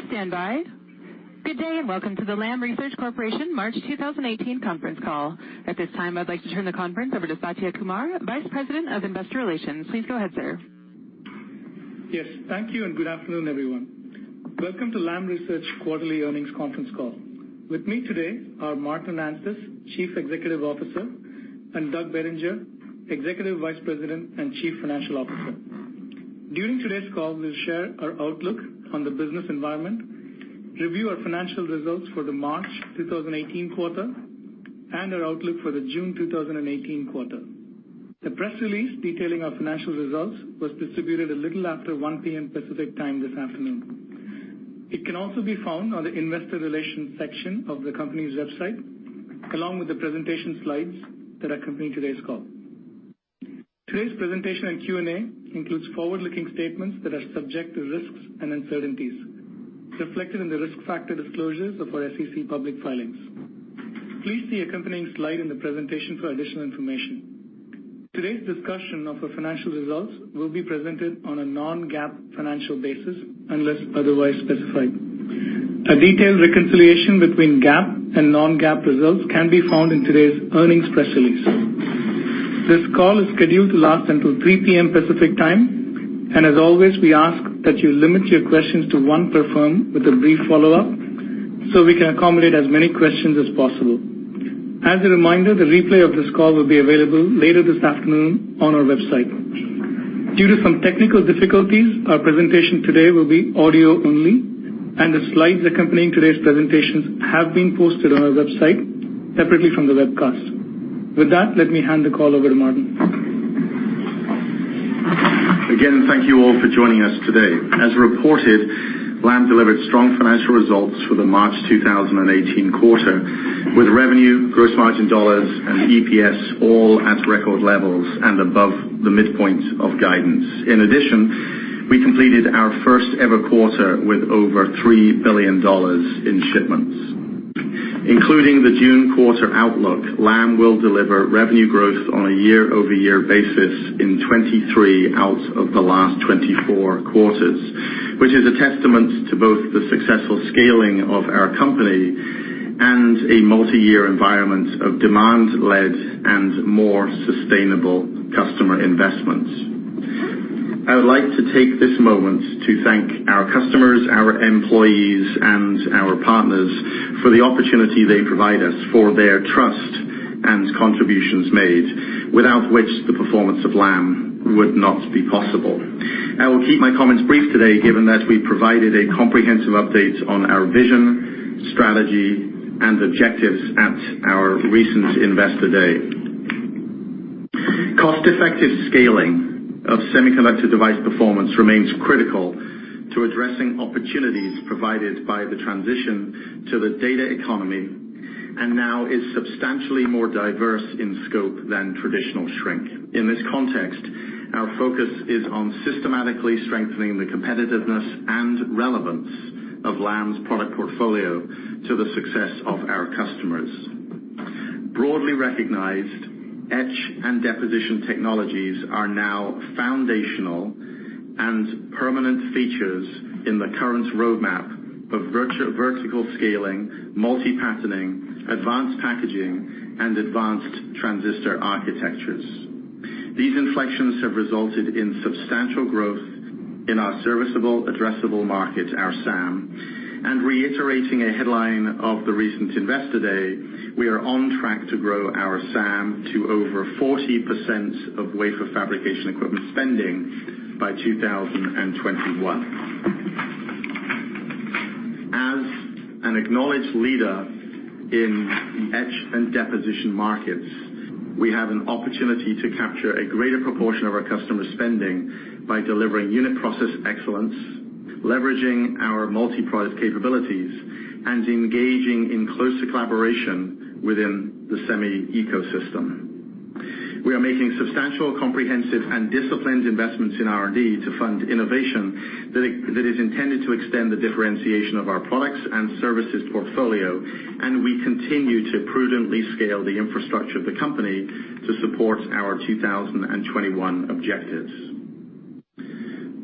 Please stand by. Good day, welcome to the Lam Research Corporation March 2018 conference call. At this time, I'd like to turn the conference over to Satya Kumar, Vice President of Investor Relations. Please go ahead, sir. Yes, thank you, good afternoon, everyone. Welcome to Lam Research quarterly earnings conference call. With me today are Martin Anstice, Chief Executive Officer, and Doug Bettinger, Executive Vice President and Chief Financial Officer. During today's call, we'll share our outlook on the business environment, review our financial results for the March 2018 quarter, and our outlook for the June 2018 quarter. The press release detailing our financial results was distributed a little after 1:00 P.M. Pacific Time this afternoon. It can also be found on the investor relations section of the company's website, along with the presentation slides that accompany today's call. Today's presentation and Q&A includes forward-looking statements that are subject to risks and uncertainties reflected in the risk factor disclosures of our SEC public filings. Please see accompanying slide in the presentation for additional information. Today's discussion of our financial results will be presented on a non-GAAP financial basis unless otherwise specified. A detailed reconciliation between GAAP and non-GAAP results can be found in today's earnings press release. This call is scheduled to last until 3:00 P.M. Pacific Time, as always, we ask that you limit your questions to one per firm with a brief follow-up so we can accommodate as many questions as possible. As a reminder, the replay of this call will be available later this afternoon on our website. Due to some technical difficulties, our presentation today will be audio only, the slides accompanying today's presentations have been posted on our website separately from the webcast. With that, let me hand the call over to Martin. Again, thank you all for joining us today. As reported, Lam delivered strong financial results for the March 2018 quarter, with revenue, gross margin dollars, and EPS all at record levels and above the midpoint of guidance. In addition, we completed our first ever quarter with over $3 billion in shipments. Including the June quarter outlook, Lam will deliver revenue growth on a year-over-year basis in 23 out of the last 24 quarters, which is a testament to both the successful scaling of our company and a multi-year environment of demand-led and more sustainable customer investments. I would like to take this moment to thank our customers, our employees, our partners for the opportunity they provide us, for their trust and contributions made, without which the performance of Lam would not be possible. I will keep my comments brief today, given that we provided a comprehensive update on our vision, strategy, and objectives at our recent Investor Day. Cost-effective scaling of semiconductor device performance remains critical to addressing opportunities provided by the transition to the data economy, and now is substantially more diverse in scope than traditional shrink. In this context, our focus is on systematically strengthening the competitiveness and relevance of Lam's product portfolio to the success of our customers. Broadly recognized, etch and deposition technologies are now foundational and permanent features in the current roadmap of vertical scaling, multi-patterning, advanced packaging, and advanced transistor architectures. These inflections have resulted in substantial growth in our serviceable addressable market, our SAM. Reiterating a headline of the recent Investor Day, we are on track to grow our SAM to over 40% of wafer fabrication equipment spending by 2021. As an acknowledged leader in the etch and deposition markets, we have an opportunity to capture a greater proportion of our customer spending by delivering unit process excellence, leveraging our multi-product capabilities, and engaging in closer collaboration within the semi ecosystem. We are making substantial, comprehensive, and disciplined investments in R&D to fund innovation that is intended to extend the differentiation of our products and services portfolio, and we continue to prudently scale the infrastructure of the company to support our 2021 objectives.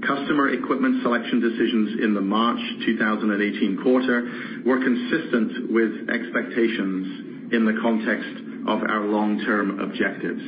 Customer equipment selection decisions in the March 2018 quarter were consistent with expectations in the context of our long-term objectives.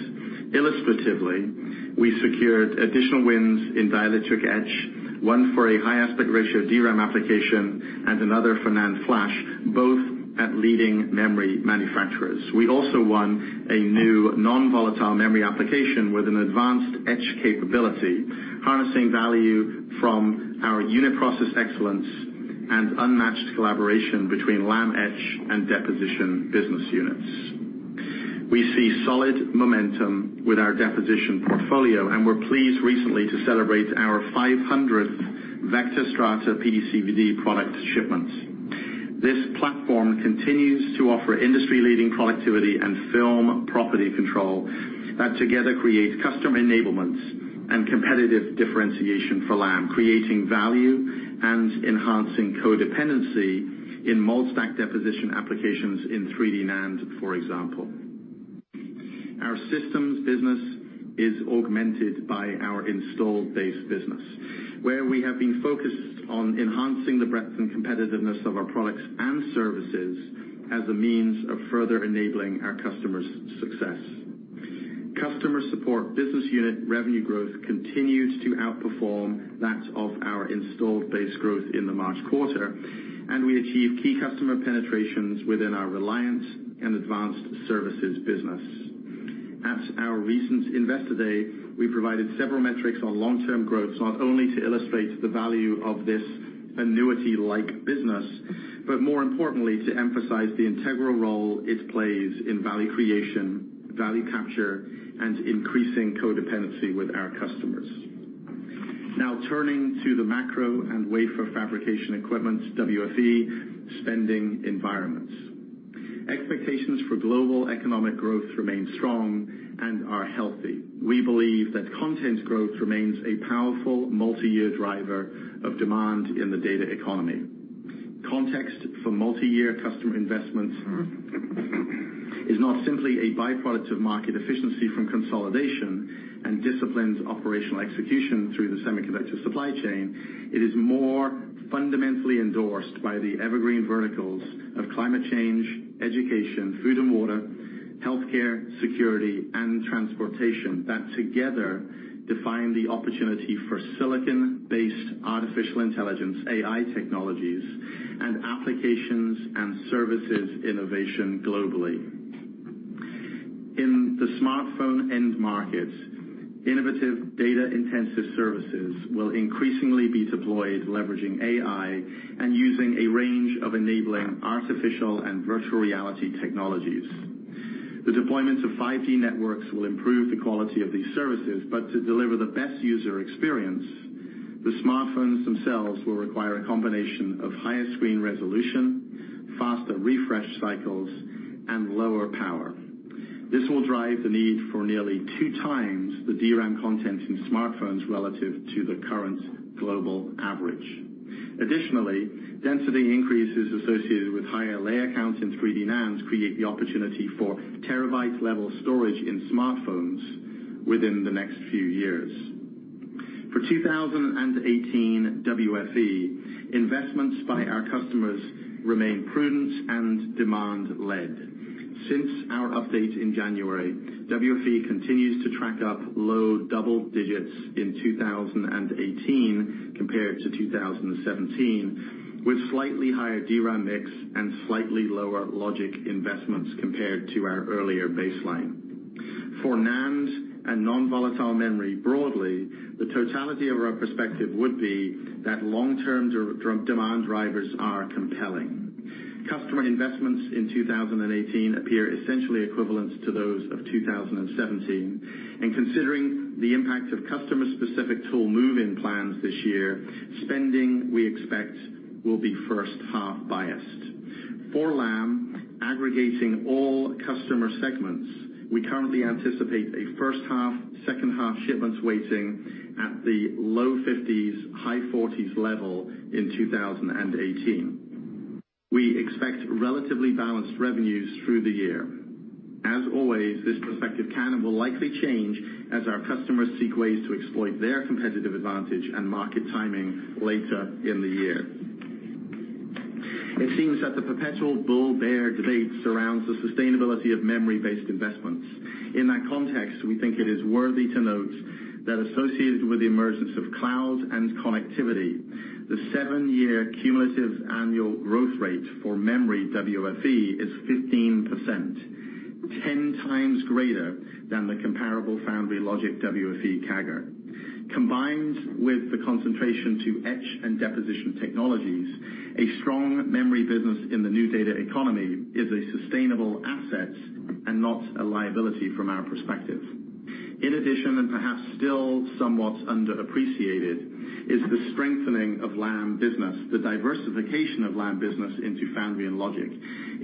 Illustratively, we secured additional wins in dielectric etch, one for a high aspect ratio DRAM application, and another for NAND Flash, both at leading memory manufacturers. We also won a new non-volatile memory application with an advanced etch capability, harnessing value from our unit process excellence and unmatched collaboration between Lam etch and deposition business units. We see solid momentum with our deposition portfolio, and we're pleased recently to celebrate our 500th VECTOR Strata PECVD product shipments. This platform continues to offer industry-leading productivity and film property control that together create customer enablements and competitive differentiation for Lam, creating value and enhancing codependency in multi-stack deposition applications in 3D NAND, for example. Our systems business is augmented by our installed base business, where we have been focused on enhancing the breadth and competitiveness of our products and services as a means of further enabling our customers' success. Customer support business unit revenue growth continues to outperform that of our installed base growth in the March quarter, and we achieve key customer penetrations within our Reliant and advanced services business. At our recent Investor Day, we provided several metrics on long-term growth, not only to illustrate the value of this annuity-like business, but more importantly, to emphasize the integral role it plays in value creation, value capture, and increasing codependency with our customers. Turning to the macro and wafer fabrication equipment, WFE, spending environments. Expectations for global economic growth remain strong and are healthy. We believe that content growth remains a powerful multi-year driver of demand in the data economy. Context for multi-year customer investments is not simply a by-product of market efficiency from consolidation and disciplined operational execution through the semiconductor supply chain. It is more fundamentally endorsed by the evergreen verticals of climate change, education, food and water, healthcare, security, and transportation that together define the opportunity for silicon-based artificial intelligence, AI technologies, and applications and services innovation globally. In the smartphone end market, innovative data-intensive services will increasingly be deployed leveraging AI and using a range of enabling artificial and virtual reality technologies. The deployments of 5G networks will improve the quality of these services, but to deliver the best user experience, the smartphones themselves will require a combination of higher screen resolution, faster refresh cycles, and lower power. This will drive the need for nearly two times the DRAM content in smartphones relative to the current global average. Additionally, density increases associated with higher layer counts in 3D NAND create the opportunity for terabyte-level storage in smartphones within the next few years. For 2018 WFE, investments by our customers remain prudent and demand led. Since our update in January, WFE continues to track up low double digits in 2018 compared to 2017, with slightly higher DRAM mix and slightly lower logic investments compared to our earlier baseline. For NAND and non-volatile memory broadly, the totality of our perspective would be that long-term demand drivers are compelling. Customer investments in 2018 appear essentially equivalent to those of 2017, and considering the impact of customer-specific tool move-in plans this year, spending, we expect, will be first-half biased. For Lam, aggregating all customer segments, we currently anticipate a first half, second half shipments weighting at the low 50s, high 40s level in 2018. We expect relatively balanced revenues through the year. As always, this perspective can and will likely change as our customers seek ways to exploit their competitive advantage and market timing later in the year. It seems that the perpetual bull-bear debate surrounds the sustainability of memory-based investments. In that context, we think it is worthy to note that associated with the emergence of cloud and connectivity, the seven-year cumulative annual growth rate for memory WFE is 15%, 10 times greater than the comparable foundry logic WFE CAGR. Combined with the concentration to etch and deposition technologies, a strong memory business in the new data economy is a sustainable asset and not a liability from our perspective. In addition, and perhaps still somewhat underappreciated, is the strengthening of Lam business, the diversification of Lam business into foundry and logic.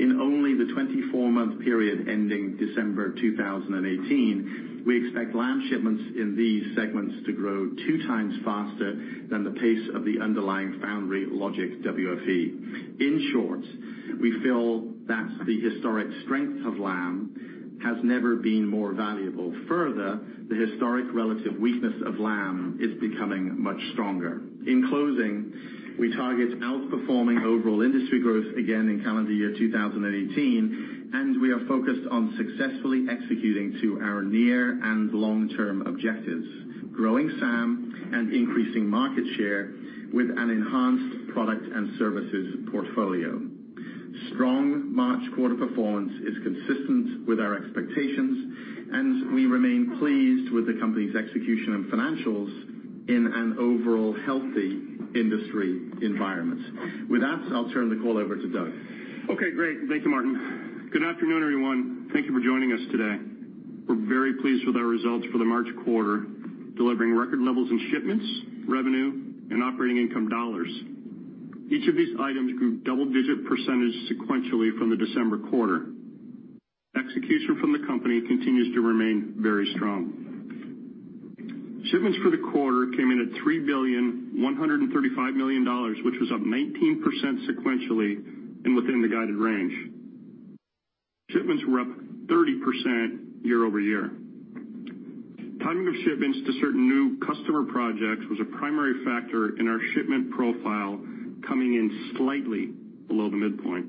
In only the 24-month period ending December 2018, we expect Lam shipments in these segments to grow two times faster than the pace of the underlying foundry logic WFE. In short, we feel that the historic strength of Lam has never been more valuable. Further, the historic relative weakness of Lam is becoming much stronger. In closing, we target outperforming overall industry growth again in calendar year 2018, and we are focused on successfully executing to our near and long-term objectives, growing SAM and increasing market share with an enhanced product and services portfolio. Strong March quarter performance is consistent with our expectations, and we remain pleased with the company's execution and financials in an overall healthy industry environment. With that, I'll turn the call over to Doug. Okay, great. Thank you, Martin. Good afternoon, everyone. Thank you for joining us today. We're very pleased with our results for the March quarter, delivering record levels in shipments, revenue, and operating income dollars. Each of these items grew double-digit percentage sequentially from the December quarter. Execution from the company continues to remain very strong. Shipments for the quarter came in at $3.135 billion, which was up 19% sequentially and within the guided range. Shipments were up 30% year-over-year. Timing of shipments to certain new customer projects was a primary factor in our shipment profile coming in slightly below the midpoint.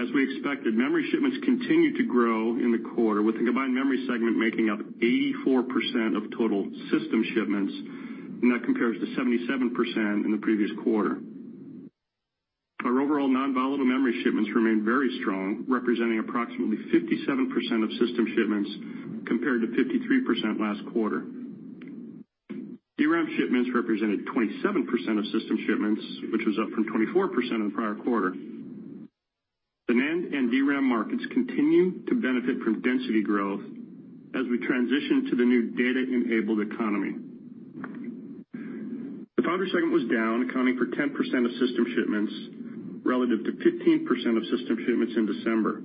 As we expected, memory shipments continued to grow in the quarter, with the combined memory segment making up 84% of total system shipments. That compares to 77% in the previous quarter. Our overall non-volatile memory shipments remained very strong, representing approximately 57% of system shipments, compared to 53% last quarter. DRAM shipments represented 27% of system shipments, which was up from 24% in the prior quarter. The NAND and DRAM markets continue to benefit from density growth as we transition to the new data-enabled economy. The foundry segment was down, accounting for 10% of system shipments, relative to 15% of system shipments in December.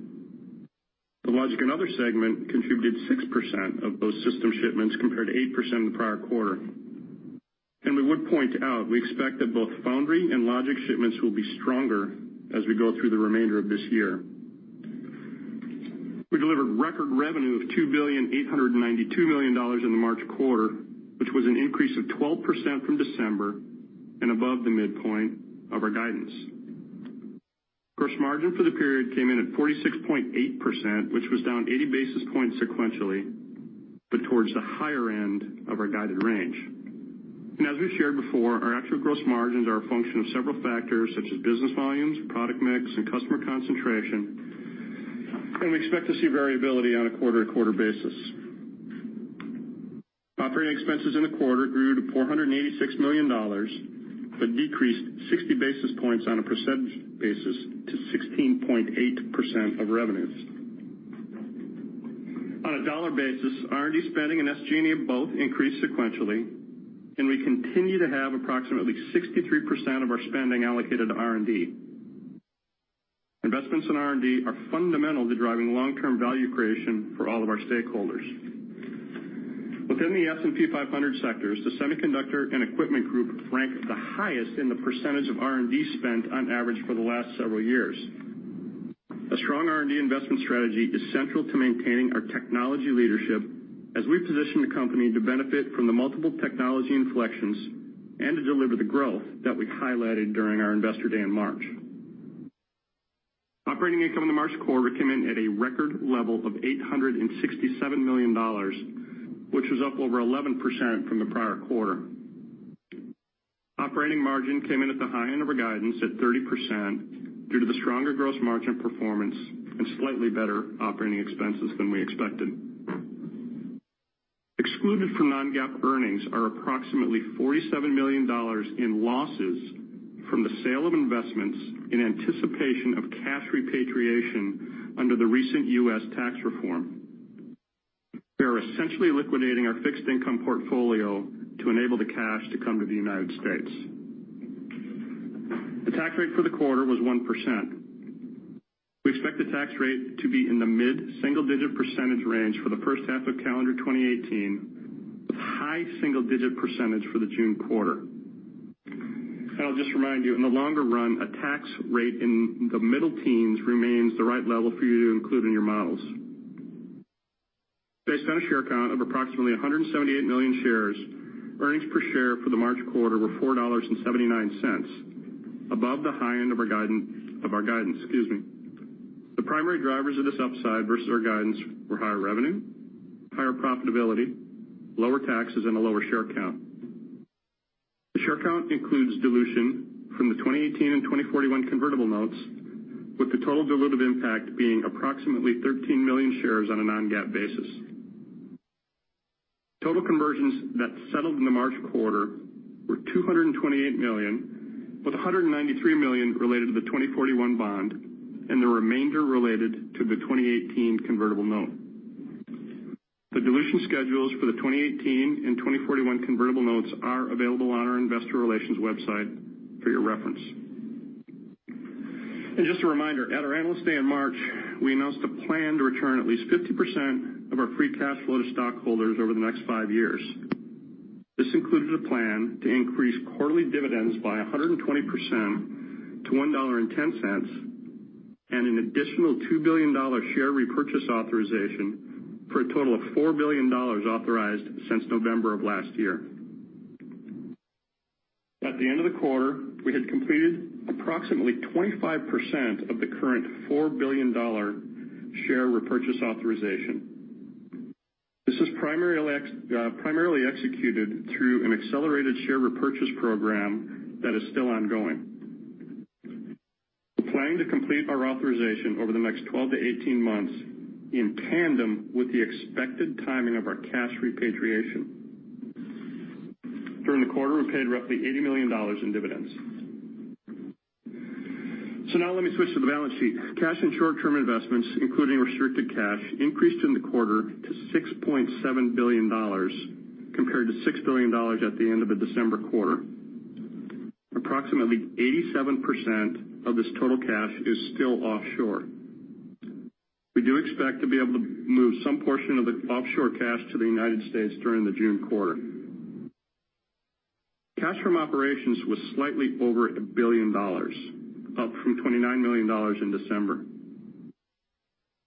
The logic and other segment contributed 6% of those system shipments, compared to 8% in the prior quarter. We would point out, we expect that both foundry and logic shipments will be stronger as we go through the remainder of this year. We delivered record revenue of $2.892 billion in the March quarter, which was an increase of 12% from December and above the midpoint of our guidance. Gross margin for the period came in at 46.8%, which was down 80 basis points sequentially, but towards the higher end of our guided range. As we've shared before, our actual gross margins are a function of several factors such as business volumes, product mix, and customer concentration. We expect to see variability on a quarter-to-quarter basis. Operating expenses in the quarter grew to $486 million, but decreased 60 basis points on a percentage basis to 16.8% of revenues. On a dollar basis, R&D spending and SG&A both increased sequentially. We continue to have approximately 63% of our spending allocated to R&D. Investments in R&D are fundamental to driving long-term value creation for all of our stakeholders. Within the S&P 500 sectors, the semiconductor and equipment group rank the highest in the percentage of R&D spend on average for the last several years. A strong R&D investment strategy is central to maintaining our technology leadership as we position the company to benefit from the multiple technology inflections and to deliver the growth that we highlighted during our investor day in March. Operating income in the March quarter came in at a record level $867 million, which was up over 11% from the prior quarter. Operating margin came in at the high end of our guidance at 30% due to the stronger gross margin performance and slightly better operating expenses than we expected. Excluded from non-GAAP earnings are approximately $47 million in losses from the sale of investments in anticipation of cash repatriation under the recent U.S. tax reform. We are essentially liquidating our fixed income portfolio to enable the cash to come to the United States. The tax rate for the quarter was 1%. We expect the tax rate to be in the mid-single-digit percentage range for the first half of calendar 2018, with high single-digit percentage for the June quarter. I'll just remind you, in the longer run, a tax rate in the middle teens remains the right level for you to include in your models. Based on a share count of approximately 178 million shares, earnings per share for the March quarter were $4.79, above the high end of our guidance. Excuse me. The primary drivers of this upside versus our guidance were higher revenue, higher profitability, lower taxes, and a lower share count. The share count includes dilution from the 2018 and 2041 convertible notes, with the total dilutive impact being approximately 13 million shares on a non-GAAP basis. Total conversions that settled in the March quarter were $228 million, with $193 million related to the 2041 bond and the remainder related to the 2018 convertible note. The dilution schedules for the 2018 and 2041 convertible notes are available on our investor relations website for your reference. Just a reminder, at our Analyst Day in March, we announced a plan to return at least 50% of our free cash flow to stockholders over the next five years. This included a plan to increase quarterly dividends by 120% to $1.10 and an additional $2 billion share repurchase authorization, for a total of $4 billion authorized since November of last year. At the end of the quarter, we had completed approximately 25% of the current $4 billion share repurchase authorization. This is primarily executed through an accelerated share repurchase program that is still ongoing. We're planning to complete our authorization over the next 12 to 18 months in tandem with the expected timing of our cash repatriation. During the quarter, we paid roughly $80 million in dividends. Now let me switch to the balance sheet. Cash and short-term investments, including restricted cash, increased in the quarter to $6.7 billion, compared to $6 billion at the end of the December quarter. Approximately 87% of this total cash is still offshore. We do expect to be able to move some portion of the offshore cash to the U.S. during the June quarter. Cash from operations was slightly over $1 billion, up from $29 million in December.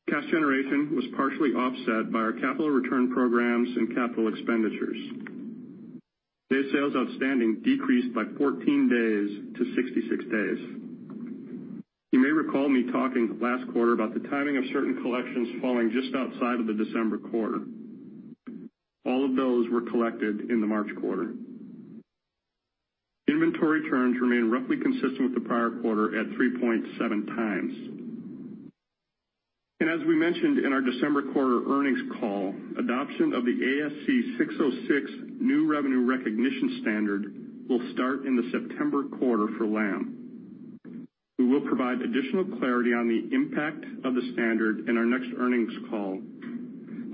Cash generation was partially offset by our capital return programs and capital expenditures. Day sales outstanding decreased by 14 days to 66 days. You may recall me talking last quarter about the timing of certain collections falling just outside of the December quarter. All of those were collected in the March quarter. Inventory turns remain roughly consistent with the prior quarter at 3.7 times. As we mentioned in our December quarter earnings call, adoption of the ASC 606 new revenue recognition standard will start in the September quarter for Lam. We will provide additional clarity on the impact of the standard in our next earnings call,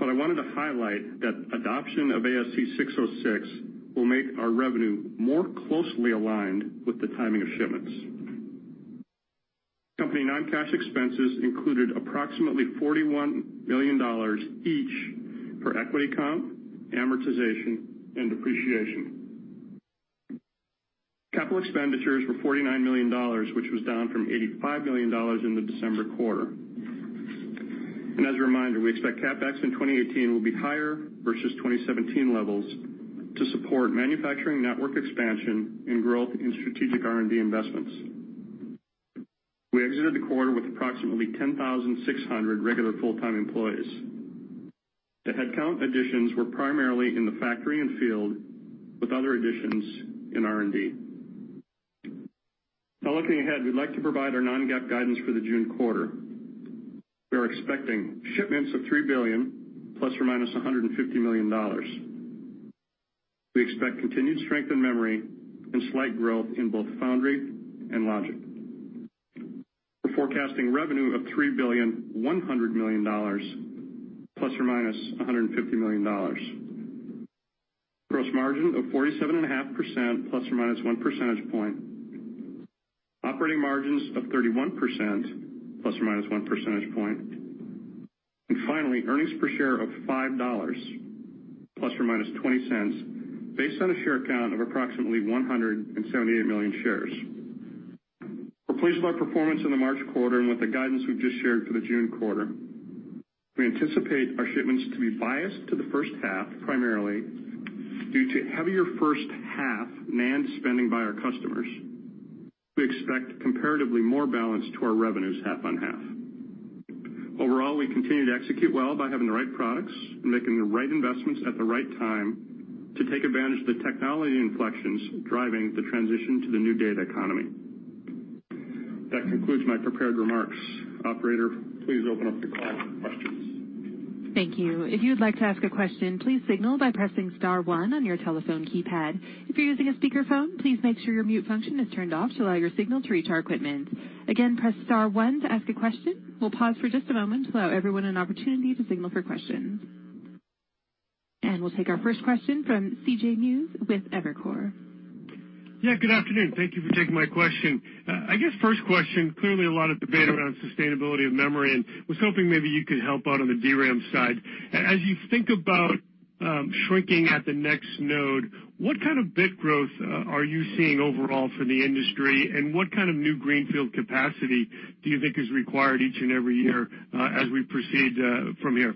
but I wanted to highlight that adoption of ASC 606 will make our revenue more closely aligned with the timing of shipments. Company non-cash expenses included approximately $41 million each for equity comp, amortization, and depreciation. Capital expenditures were $49 million, which was down from $85 million in the December quarter. As a reminder, we expect CapEx in 2018 will be higher versus 2017 levels to support manufacturing network expansion and growth in strategic R&D investments. We exited the quarter with approximately 10,600 regular full-time employees. The headcount additions were primarily in the factory and field, with other additions in R&D. Looking ahead, we'd like to provide our non-GAAP guidance for the June quarter. We are expecting shipments of $3 billion ±$150 million. We expect continued strength in memory and slight growth in both foundry and logic. We're forecasting revenue of $3 billion, $100 million, ±$150 million. Gross margin of 47.5% ±1 percentage point. Operating margins of 31% ±1 percentage point. Finally, earnings per share of $5 ±$0.20, based on a share count of approximately 178 million shares. We're pleased with our performance in the March quarter and with the guidance we've just shared for the June quarter. We anticipate our shipments to be biased to the first half, primarily due to heavier first-half NAND spending by our customers. We expect comparatively more balance to our revenues half-on-half. Overall, we continue to execute well by having the right products and making the right investments at the right time to take advantage of the technology inflections driving the transition to the new data economy. That concludes my prepared remarks. Operator, please open up the call for questions. Thank you. If you would like to ask a question, please signal by pressing star one on your telephone keypad. If you're using a speakerphone, please make sure your mute function is turned off to allow your signal to reach our equipment. Again, press star one to ask a question. We'll pause for just a moment to allow everyone an opportunity to signal for questions. We'll take our first question from C.J. Muse with Evercore. Yeah, good afternoon. Thank you for taking my question. I guess first question, clearly a lot of debate around sustainability of memory, and was hoping maybe you could help out on the DRAM side. As you think about shrinking at the next node, what kind of bit growth are you seeing overall for the industry, and what kind of new greenfield capacity do you think is required each and every year as we proceed from here?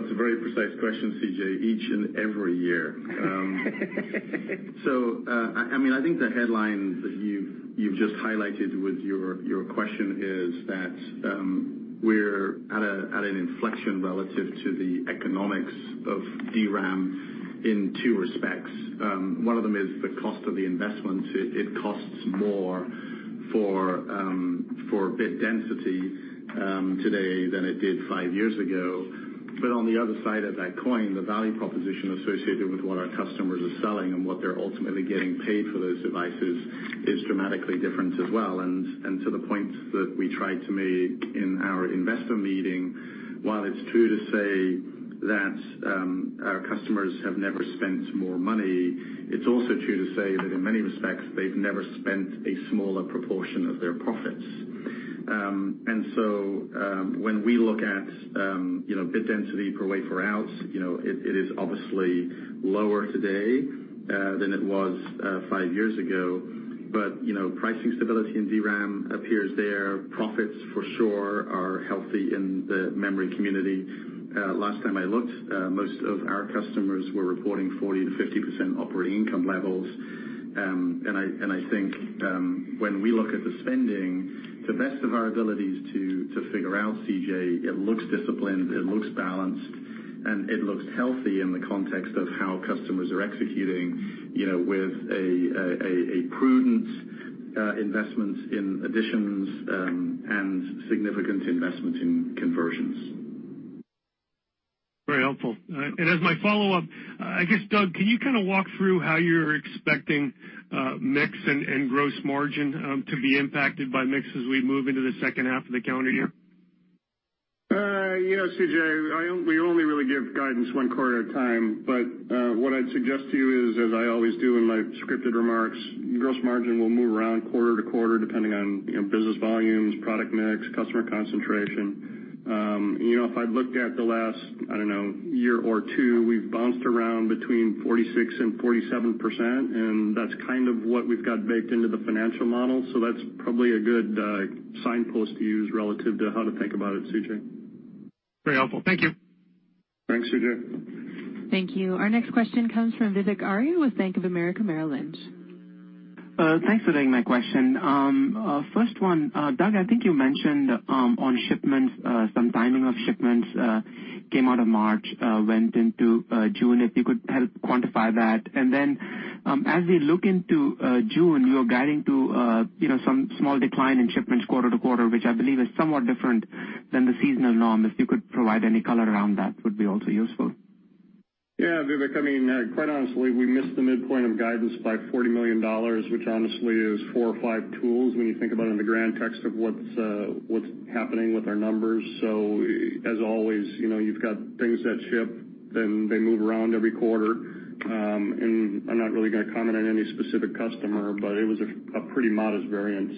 That's a very precise question, C.J. Each and every year. I think the headline that you've just highlighted with your question is that we're at an inflection relative to the economics of DRAM in two respects. One of them is the cost of the investment. It costs more for bit density today than it did five years ago. On the other side of that coin, the value proposition associated with what our customers are selling and what they're ultimately getting paid for those devices is dramatically different as well. To the point that we tried to make in our investor meeting, while it's true to say that our customers have never spent more money, it's also true to say that in many respects, they've never spent a smaller proportion of their profits. When we look at bit density per wafer outs, it is obviously lower today than it was five years ago. Pricing stability in DRAM appears there. Profits for sure are healthy in the memory community. Last time I looked, most of our customers were reporting 40%-50% operating income levels. I think when we look at the spending, to the best of our abilities to figure out, C.J., it looks disciplined, it looks balanced, and it looks healthy in the context of how customers are executing with a prudent investment in additions and significant investment in conversions. Very helpful. As my follow-up, I guess, Doug, can you kind of walk through how you're expecting mix and gross margin to be impacted by mix as we move into the second half of the calendar year? You know, C.J., we only really give guidance one quarter at a time, but what I'd suggest to you is, as I always do in my scripted remarks, gross margin will move around quarter to quarter depending on business volumes, product mix, customer concentration. If I looked at the last, I don't know, year or two, we've bounced around between 46% and 47%, and that's kind of what we've got baked into the financial model. That's probably a good signpost to use relative to how to think about it, C.J. Very helpful. Thank you. Thanks, C.J. Thank you. Our next question comes from Vivek Arya with Bank of America Merrill Lynch. Thanks for taking my question. First one, Doug, I think you mentioned on shipments, some timing of shipments came out of March, went into June. If you could help quantify that. As we look into June, you're guiding to some small decline in shipments quarter-to-quarter, which I believe is somewhat different than the seasonal norm. If you could provide any color around that would be also useful. Yeah. Vivek, quite honestly, we missed the midpoint of guidance by $40 million, which honestly is four or five tools when you think about it in the grand scheme of what's happening with our numbers. As always, you've got things that ship, then they move around every quarter. I'm not really going to comment on any specific customer, but it was a pretty modest variance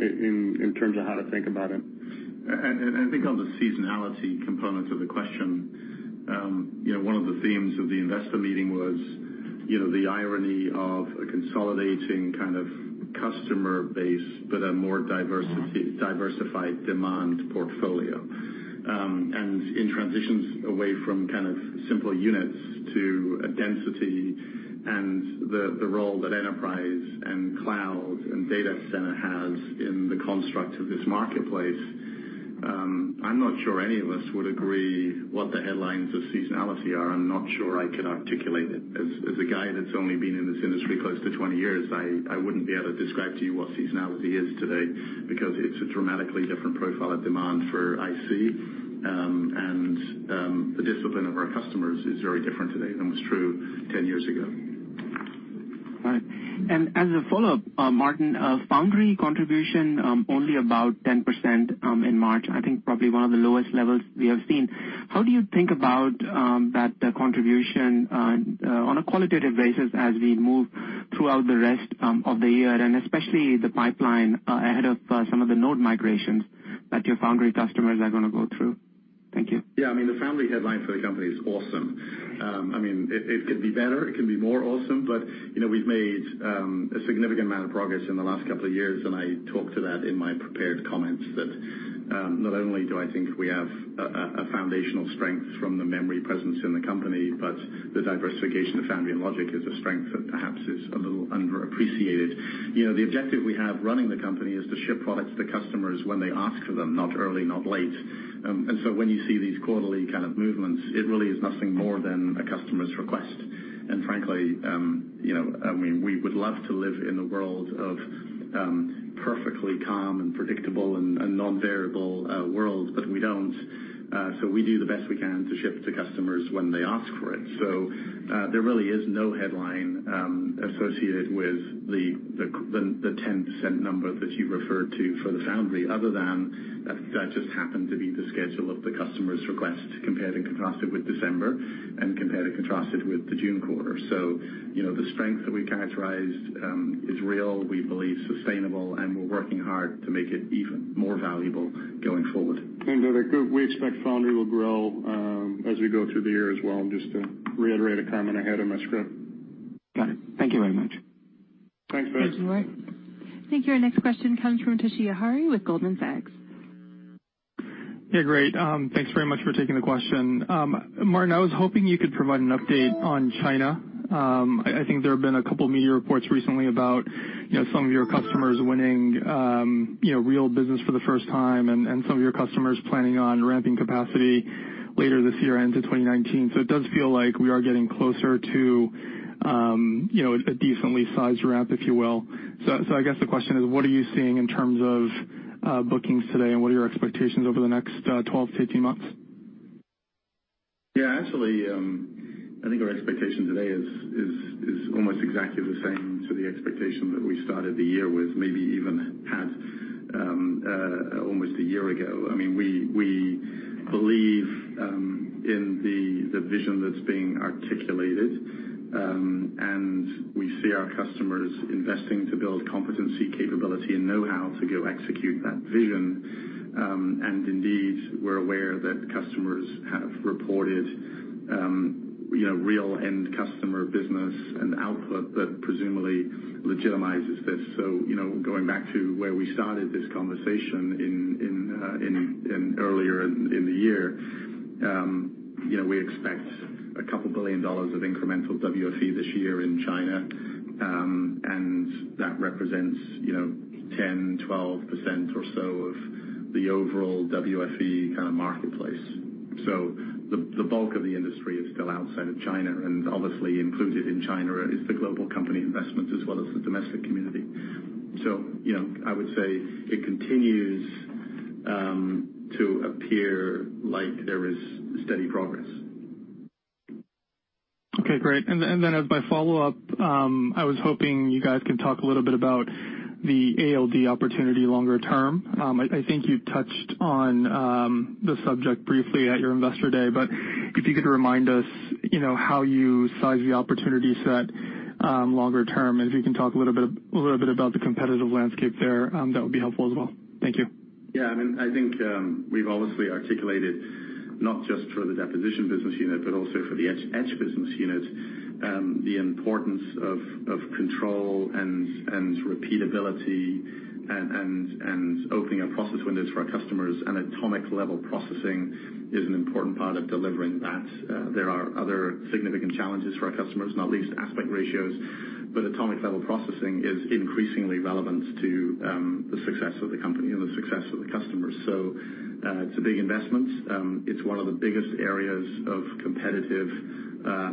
in terms of how to think about it. I think on the seasonality component of the question, one of the themes of the investor meeting was the irony of a consolidating kind of customer base with a more diversified demand portfolio. In transitions away from kind of simpler units to a density and the role that enterprise and cloud and data center has in the construct of this marketplace, I'm not sure any of us would agree what the headlines of seasonality are. I'm not sure I could articulate it. As a guy that's only been in this industry close to 20 years, I wouldn't be able to describe to you what seasonality is today because it's a dramatically different profile of demand for IC. The discipline of our customers is very different today than was true 10 years ago. Right. As a follow-up, Martin, foundry contribution only about 10% in March. I think probably one of the lowest levels we have seen. How do you think about that contribution on a qualitative basis as we move throughout the rest of the year, and especially the pipeline ahead of some of the node migrations that your foundry customers are going to go through? Thank you. Yeah, the foundry headline for the company is awesome. It could be better, it can be more awesome, but we've made a significant amount of progress in the last couple of years, and I talked to that in my prepared comments. That not only do I think we have a foundational strength from the memory presence in the company, but the diversification of foundry and logic is a strength that perhaps is a little underappreciated. When you see these quarterly kind of movements, it really is nothing more than a customer's request. Frankly, we would love to live in a world of perfectly calm and predictable and non-variable world, but we don't. We do the best we can to ship to customers when they ask for it. There really is no headline associated with the 10% number that you referred to for the foundry, other than that just happened to be the schedule of the customer's request compared and contrasted with December and compared and contrasted with the June quarter. The strength that we characterized is real, we believe sustainable, and we're working hard to make it even more valuable going forward. Vivek, we expect foundry will grow as we go through the year as well, just to reiterate a comment I had in my script. Got it. Thank you very much. Thanks, Vivek. Thank you, Vivek. Thank you. Our next question comes from Toshiya Hari with Goldman Sachs. Great. Thanks very much for taking the question. Martin, I was hoping you could provide an update on China. I think there have been a couple of media reports recently about some of your customers winning real business for the first time and some of your customers planning on ramping capacity later this year into 2019. It does feel like we are getting closer to a decently sized ramp, if you will. I guess the question is, what are you seeing in terms of bookings today, and what are your expectations over the next 12 to 18 months? Actually, I think our expectation today is almost exactly the same to the expectation that we started the year with, maybe even had almost a year ago. We believe in the vision that's being articulated, and we see our customers investing to build competency, capability, and knowhow to go execute that vision. Indeed, we're aware that customers have reported real end customer business and output that presumably legitimizes this. Going back to where we started this conversation earlier in the year, we expect a couple billion dollars of incremental WFE this year in China. That represents 10%, 12% or so of the overall WFE kind of marketplace. The bulk of the industry is still outside of China, and obviously included in China is the global company investments as well as the domestic community. I would say it continues to appear like there is steady progress. Okay, great. As my follow-up, I was hoping you guys could talk a little bit about the ALD opportunity longer term. I think you touched on the subject briefly at your investor day, but if you could remind us how you size the opportunity set longer term, and if you can talk a little bit about the competitive landscape there, that would be helpful as well. Thank you. I think we've obviously articulated, not just for the deposition business unit, but also for the etch business unit, the importance of control and repeatability and opening up process windows for our customers, and atomic-level processing is an important part of delivering that. There are other significant challenges for our customers, not least aspect ratios. Atomic level processing is increasingly relevant to the success of the company and the success of the customers. It's a big investment. It's one of the biggest areas of competitive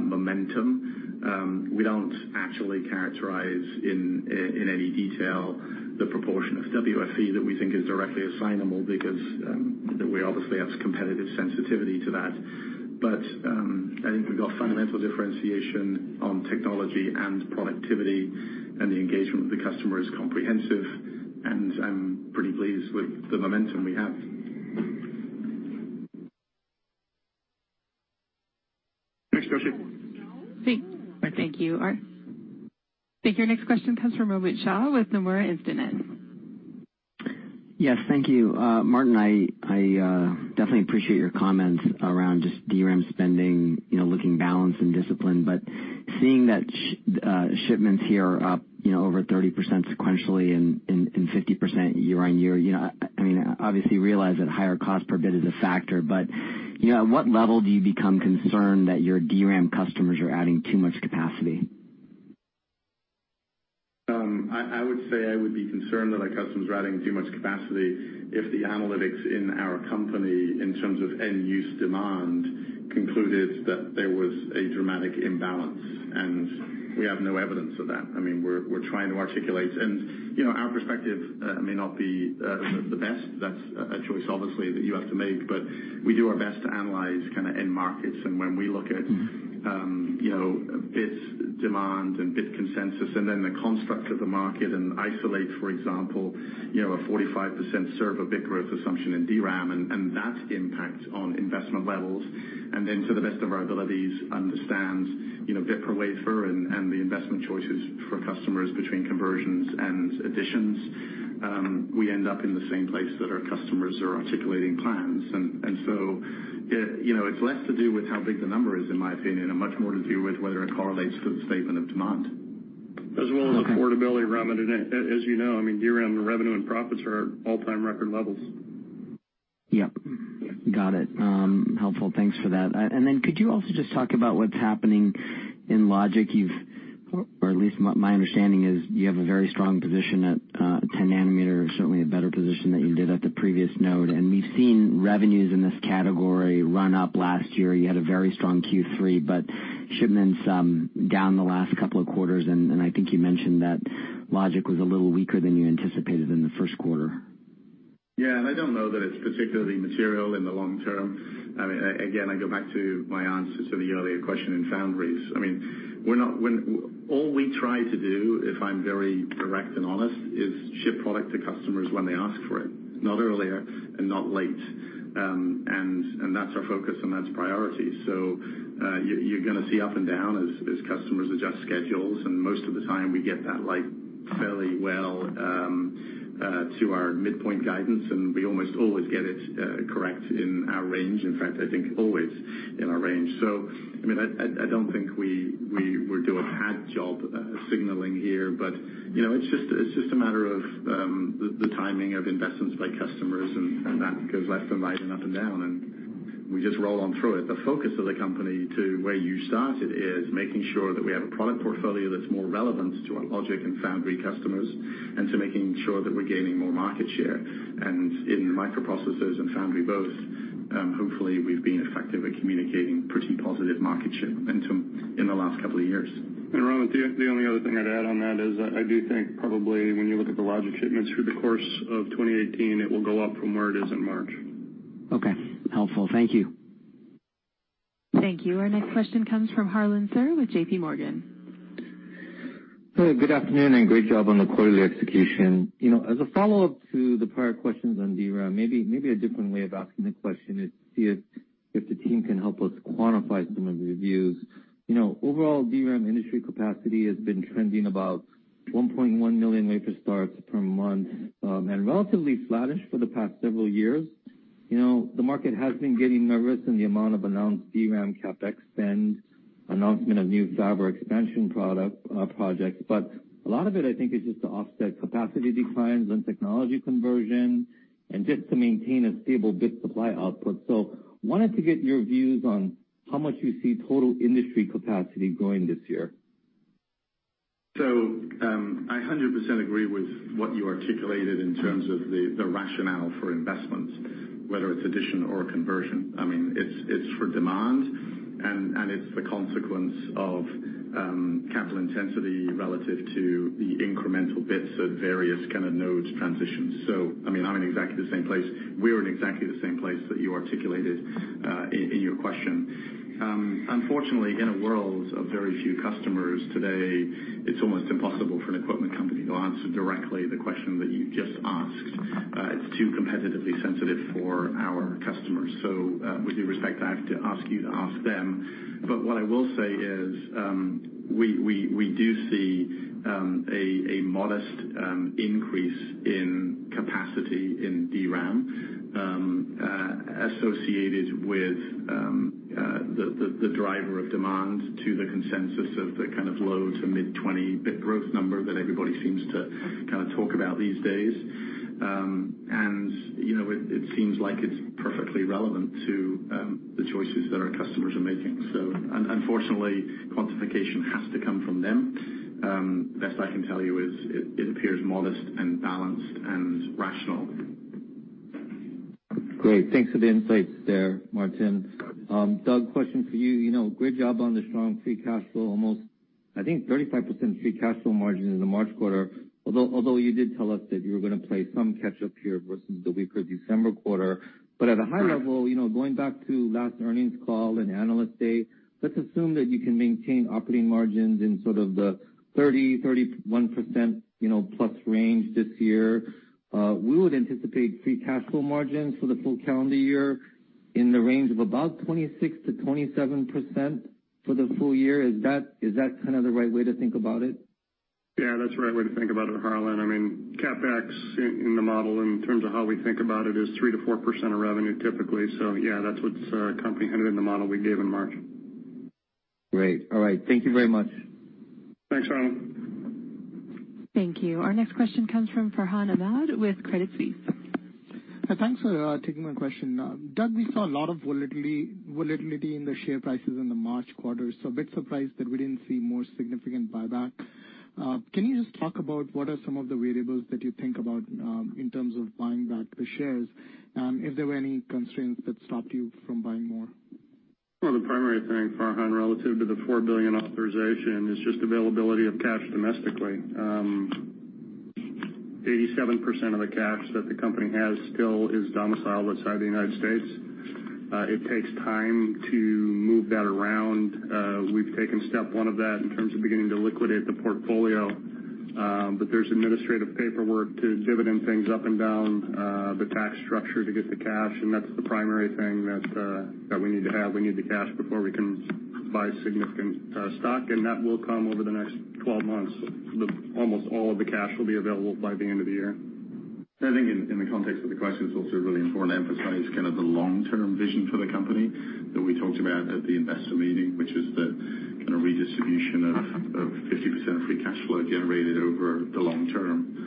momentum. We don't actually characterize in any detail the proportion of WFE that we think is directly assignable, because we obviously have competitive sensitivity to that. I think we've got fundamental differentiation on technology and productivity, and the engagement with the customer is comprehensive, and I'm pretty pleased with the momentum we have. Thanks, Toshiya. Thank you. I think your next question comes from Romit Shah with Nomura Instinet. Yes, thank you, Martin. I definitely appreciate your comments around just DRAM spending, looking balanced and disciplined, but seeing that shipments here are up over 30% sequentially and 50% year-over-year, I obviously realize that higher cost per bit is a factor, but at what level do you become concerned that your DRAM customers are adding too much capacity? I would say I would be concerned that our customers are adding too much capacity if the analytics in our company, in terms of end-use demand, concluded that there was a dramatic imbalance. We have no evidence of that. We're trying to articulate. Our perspective may not be the best, that's a choice, obviously, that you have to make, but we do our best to analyze end markets. When we look at bit demand and bit consensus and then the construct of the market and isolate, for example, a 45% server bit growth assumption in DRAM, and that impact on investment levels. Then to the best of our abilities, understand bit per wafer and the investment choices for customers between conversions and additions, we end up in the same place that our customers are articulating plans. It's less to do with how big the number is, in my opinion, and much more to do with whether it correlates to the statement of demand. As well as affordability, Romit. As you know, DRAM revenue and profits are at all-time record levels. Yep. Got it. Helpful. Thanks for that. Could you also just talk about what's happening in logic? At least my understanding is you have a very strong position at 10 nanometer, certainly a better position than you did at the previous node. We've seen revenues in this category run up last year. You had a very strong Q3, shipments down the last couple of quarters, I think you mentioned that logic was a little weaker than you anticipated in the first quarter. I don't know that it's particularly material in the long term. Again, I go back to my answers to the earlier question in foundries. All we try to do, if I'm very direct and honest, is ship product to customers when they ask for it, not earlier and not late. That's our focus and that's priority. You're going to see up and down as customers adjust schedules, most of the time, we get that fairly well to our midpoint guidance, we almost always get it correct in our range. In fact, I think always in our range. I don't think we do a bad job signaling here, it's just a matter of the timing of investments by customers, that goes left and right and up and down, we just roll on through it. The focus of the company to where you started is making sure that we have a product portfolio that's more relevant to our logic and foundry customers and to making sure that we're gaining more market share. In microprocessors and foundry both, hopefully, we've been effective at communicating pretty positive market share momentum in the last couple of years. Ramon, the only other thing I'd add on that is I do think probably when you look at the logic shipments through the course of 2018, it will go up from where it is in March. Okay. Helpful. Thank you. Thank you. Our next question comes from Harlan Sur with J.P. Morgan. Good afternoon, great job on the quarterly execution. As a follow-up to the prior questions on DRAM, maybe a different way of asking the question is see if the team can help us quantify some of your views. Overall, DRAM industry capacity has been trending about 1.1 million wafer starts per month, relatively flattish for the past several years. The market has been getting nervous in the amount of announced DRAM CapEx spend, announcement of new fab expansion projects. A lot of it, I think, is just to offset capacity declines and technology conversion and just to maintain a stable bit supply output. Wanted to get your views on how much you see total industry capacity growing this year. I 100% agree with what you articulated in terms of the rationale for investments, whether it's addition or conversion. It's for demand and it's the consequence of capital intensity relative to the incremental bits of various kind of nodes transitions. I'm in exactly the same place. We're in exactly the same place that you articulated in your question. Unfortunately, in a world of very few customers today, it's almost impossible for an equipment company to answer directly the question that you just asked. It's too competitively sensitive for our customers. With due respect, I have to ask you to ask them. What I will say is, we do see a modest increase in capacity in DRAM associated with the driver of demand to the consensus of the kind of low to mid 20 bit growth number that everybody seems to kind of talk about these days. It seems like it's perfectly relevant to the choices that our customers are making. Unfortunately, quantification has to come from them. Best I can tell you is it appears modest and balanced and rational. Great. Thanks for the insights there, Martin. Sure. Doug, question for you. Great job on the strong free cash flow. Almost, I think, 35% free cash flow margin in the March quarter, although you did tell us that you were going to play some catch-up here versus the weaker December quarter. At a high level, going back to last earnings call and Analyst Day, let's assume that you can maintain operating margins in sort of the 30, 31% plus range this year. We would anticipate free cash flow margins for the full calendar year in the range of about 26%-27% for the full year. Is that kind of the right way to think about it? That's the right way to think about it, Harlan. CapEx in the model in terms of how we think about it is 3%-4% of revenue typically. That's what's kind of in the model we gave in March. Great. All right. Thank you very much. Thanks, Harlan. Thank you. Our next question comes from Farhan Ahmad with Credit Suisse. Thanks for taking my question. Doug, we saw a lot of volatility in the share prices in the March quarter. A bit surprised that we didn't see more significant buyback. Can you just talk about what are some of the variables that you think about in terms of buying back the shares, and if there were any constraints that stopped you from buying more? Well, the primary thing, Farhan, relative to the $4 billion authorization is just availability of cash domestically. 87% of the cash that the company has still is domiciled outside the United States. It takes time to move that around. We've taken step one of that in terms of beginning to liquidate the portfolio. There's administrative paperwork to dividend things up and down the tax structure to get the cash, and that's the primary thing that we need to have. We need the cash before we can buy significant stock, and that will come over the next 12 months. Almost all of the cash will be available by the end of the year. I think in the context of the question, it's also really important to emphasize the long-term vision for the company that we talked about at the investor meeting, which is the kind of redistribution of 50% of free cash flow generated over the long term.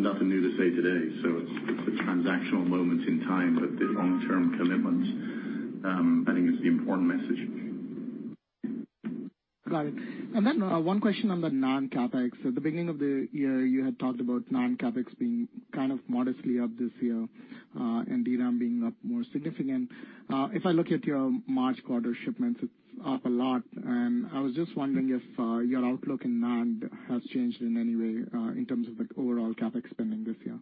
Nothing new to say today. It's transactional moments in time, but the long-term commitment, I think, is the important message. Got it. One question on the NAND CapEx. At the beginning of the year, you had talked about NAND CapEx being kind of modestly up this year and DRAM being up more significant. If I look at your March quarter shipments, it's up a lot, and I was just wondering if your outlook in NAND has changed in any way in terms of the overall CapEx spending this year.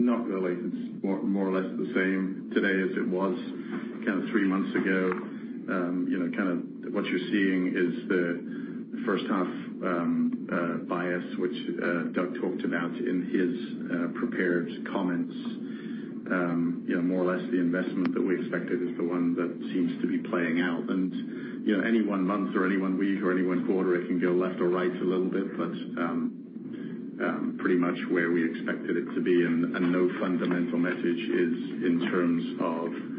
Not really. It's more or less the same today as it was kind of three months ago. What you're seeing is the first half bias, which Doug talked about in his prepared comments. More or less the investment that we expected is the one that seems to be playing out. Any one month or any one week or any one quarter, it can go left or right a little bit, but pretty much where we expected it to be. No fundamental message is in terms of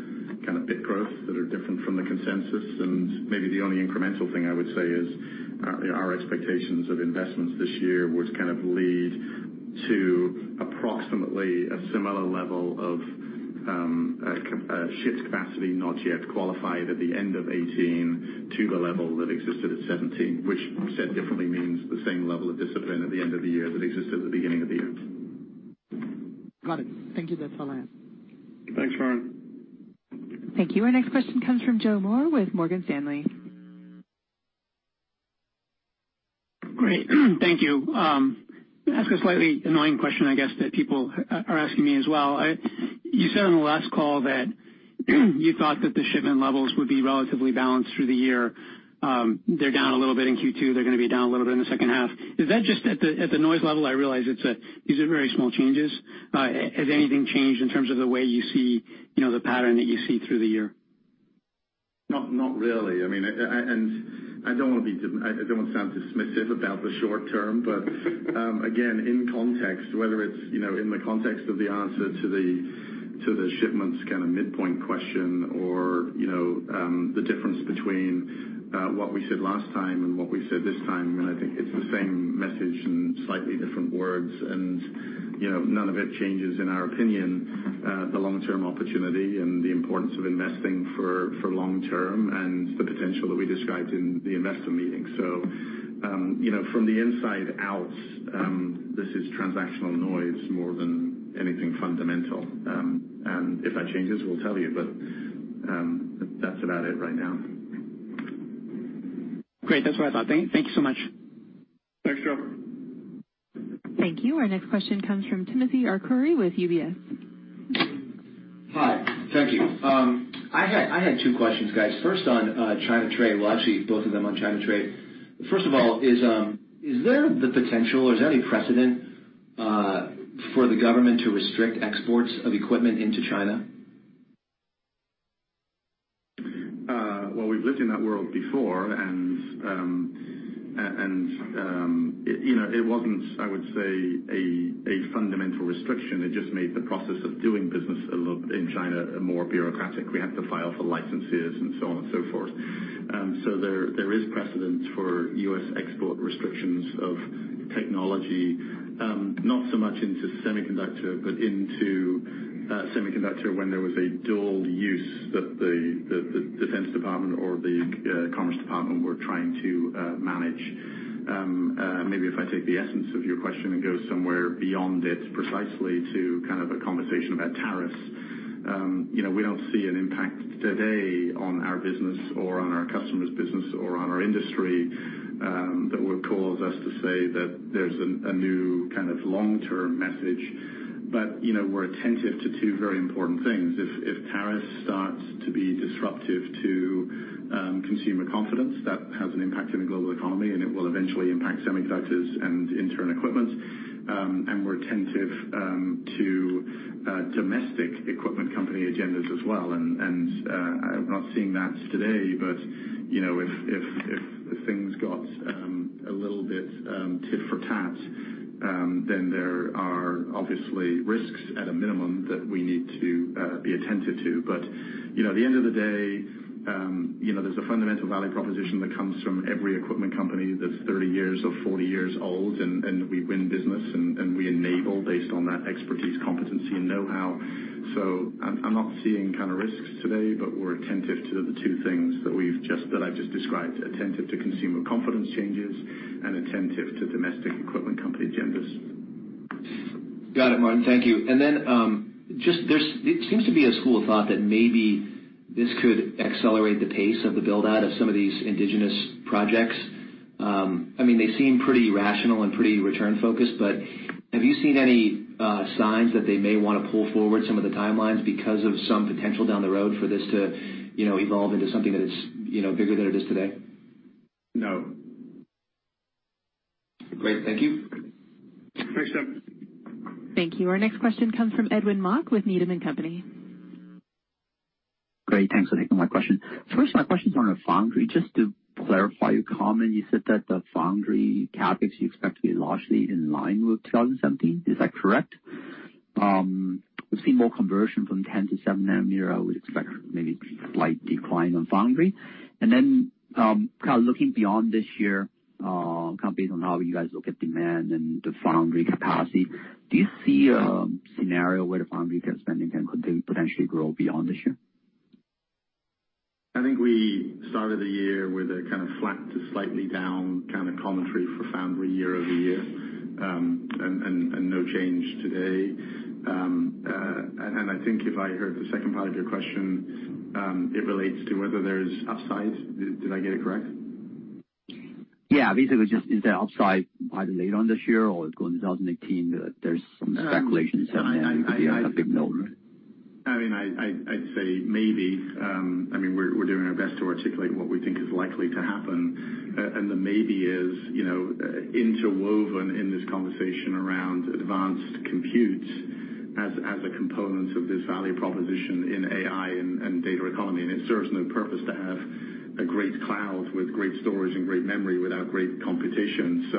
kind of bit growths that are different from the consensus. Maybe the only incremental thing I would say is our expectations of investments this year would kind of lead to approximately a similar level of shipped capacity not yet qualified at the end of 2018 to the level that existed at 2017, which said differently means the same level of discipline at the end of the year that existed at the beginning of the year. Got it. Thank you. That's all I have. Thanks, Farhan. Thank you. Our next question comes from Joe Moore with Morgan Stanley. Great. Thank you. Ask a slightly annoying question, I guess, that people are asking me as well. You said on the last call that you thought that the shipment levels would be relatively balanced through the year. They're down a little bit in Q2, they're going to be down a little bit in the second half. Is that just at the noise level? I realize these are very small changes. Has anything changed in terms of the way you see the pattern that you see through the year? Not really. I don't want to sound dismissive about the short term, but again, in context, whether it's in the context of the answer to the shipments kind of midpoint question or the difference between what we said last time and what we said this time, I think it's the same message in slightly different words. None of it changes, in our opinion, the long-term opportunity and the importance of investing for long term and the potential that we described in the investor meeting. From the inside out, this is transactional noise more than anything fundamental. If that changes, we'll tell you. That's about it right now. Great. That's what I thought. Thank you so much. Thanks, Joe. Thank you. Our next question comes from Timothy Arcuri with UBS. Hi. Thank you. I had two questions, guys. First on China trade. Well, actually, both of them on China trade. First of all, is there the potential or is there any precedent for the government to restrict exports of equipment into China? We've lived in that world before, it wasn't, I would say, a fundamental restriction. It just made the process of doing business in China more bureaucratic. We had to file for licenses and so on and so forth. There is precedent for U.S. export restrictions of technology. Not so much into semiconductor, but into semiconductor when there was a dual use that the Defense Department or the Commerce Department were trying to manage. If I take the essence of your question and go somewhere beyond it, precisely to kind of a conversation about tariffs. We don't see an impact today on our business or on our customers' business or on our industry that would cause us to say that there's a new kind of long-term message. We're attentive to two very important things. If tariffs start to be disruptive to consumer confidence, that has an impact on the global economy, and it will eventually impact semiconductors and in turn, equipment. We're attentive to domestic equipment company agendas as well. I'm not seeing that today, but if things got a little bit tit for tat, there are obviously risks at a minimum that we need to be attentive to. At the end of the day, there's a fundamental value proposition that comes from every equipment company that's 30 years or 40 years old, and we win business, and we enable based on that expertise, competency, and know-how. I'm not seeing risks today, but we're attentive to the two things that I've just described, attentive to consumer confidence changes and attentive to domestic equipment company agendas. Got it, Martin. Thank you. Then, it seems to be a school of thought that maybe this could accelerate the pace of the build-out of some of these indigenous projects. They seem pretty rational and pretty return-focused, but have you seen any signs that they may want to pull forward some of the timelines because of some potential down the road for this to evolve into something that is bigger than it is today? No. Great. Thank you. Thanks, Tim. Thank you. Our next question comes from Edwin Mok with Needham & Company. Great. Thanks for taking my question. First, my question is on the foundry. Just to clarify your comment, you said that the foundry CapEx you expect to be largely in line with 2017. Is that correct? We've seen more conversion from 10 to 7 nanometer, I would expect maybe slight decline on foundry. Then kind of looking beyond this year, based on how you guys look at demand and the foundry capacity, do you see a scenario where the foundry cap spending can potentially grow beyond this year? I think we started the year with a kind of flat to slightly down kind of commentary for foundry year-over-year, and no change today. I think if I heard the second part of your question, it relates to whether there's upside. Did I get it correct? Yeah. Basically, just is there upside either later on this year or go into 2018? There's some speculation certainly, but yeah, something known. I'd say maybe. We're doing our best to articulate what we think is likely to happen. The maybe is interwoven in this conversation around advanced compute as a component of this value proposition in AI and data economy. It serves no purpose to have a great cloud with great storage and great memory without great computation.